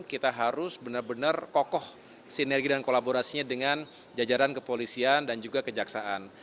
kita harus benar benar kokoh sinergi dan kolaborasinya dengan jajaran kepolisian dan juga kejaksaan